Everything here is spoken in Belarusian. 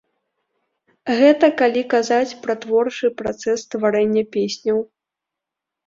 Гэта калі казаць пра творчы працэс стварэння песняў.